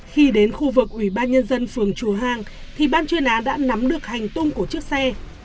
khi đến khu vực ủy ban nhân dân phường chùa hàng thì ban chuyên án đã nắm được hành tung của chiếc xe